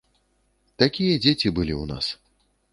Такія дзеці былі ў нас.